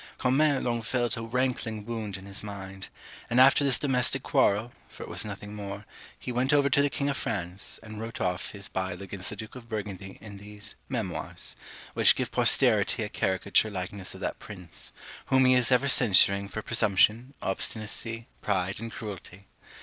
Comines long felt a rankling wound in his mind; and after this domestic quarrel, for it was nothing more, he went over to the king of France, and wrote off his bile against the Duke of Burgundy in these "Memoirs," which give posterity a caricature likeness of that prince, whom he is ever censuring for presumption, obstinacy, pride, and cruelty.